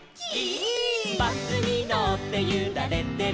「バスにのってゆられてる」